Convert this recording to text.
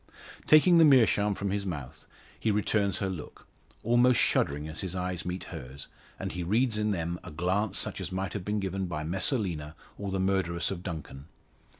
Taking the meerschaum from his mouth, he returns her look almost shuddering as his eyes meet hers, and he reads in them a glance such as might have been given by Messalina, or the murderess of Duncan.